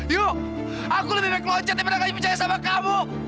yu aku lebih baik loncat daripada gak bisa percaya sama kamu